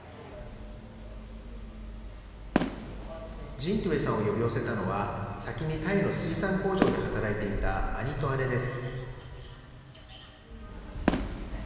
ジン・トゥエーさんを呼び寄せたのは、先にタイの水産工場で働いていた兄と姉です。